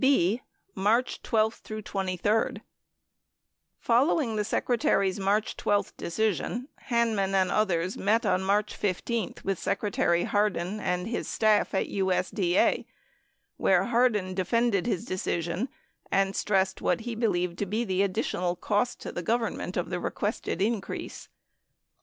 b. March 12 23 Following the Secretary's March 12 decision, Hanman and others met on March 15 with Secretary Hardin and "his staff" at USDA 6 where Hardin defended his decision and stressed what he believed to be the additional cost to the Government of the requested increase.